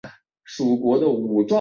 原为贾赦的丫环。